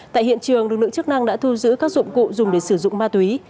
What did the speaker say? tại hiện trường lực lượng chức năng đã thu giữ các dụng cụ dùng để sử dụng ma túy